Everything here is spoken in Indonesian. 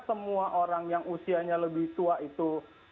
semua orang yang usianya lebih tua itu